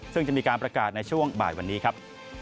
ซึ่งจะมีการประกาศในช่วงบ่ายวันนี้ครับ